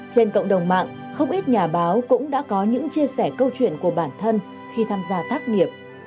trên cộng đồng mạng không ít nhà báo cũng đã có những chia sẻ câu chuyện của bản thân khi tham gia tác nghiệp